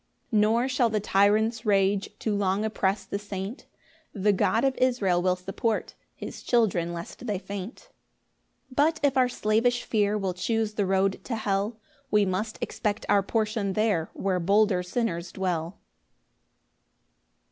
5 Nor shall the tyrant's rage Too long oppress the saint; The God of Israel will support His children lest they faint. 6 But if our slavish fear Will chuse the road to hell, We must expect our portion there Where bolder sinners dwell.